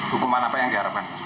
hukuman apa yang diharapkan